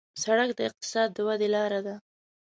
سړک د اقتصاد د ودې لاره ده.